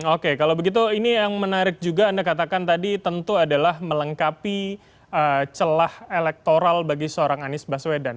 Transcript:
oke kalau begitu ini yang menarik juga anda katakan tadi tentu adalah melengkapi celah elektoral bagi seorang anies baswedan